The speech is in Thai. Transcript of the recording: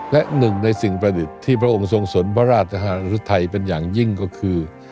และหนึ่งในสิ่งประดิษฐ์ที่พระองค์ทรงสนพระราชธารุทัยเป็นอย่างยิ่งก็คือ